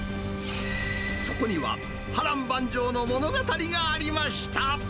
そこには、波乱万丈の物語がありました。